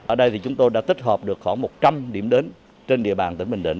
ở đây thì chúng tôi đã tích hợp được khoảng một trăm linh điểm đến trên địa bàn tỉnh bình định